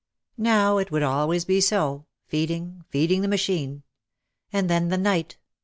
Now it would always be so, feeding, feeding the machine. And then the night.